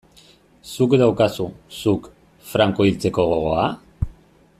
Zuk daukazu, zuk, Franco hiltzeko gogoa?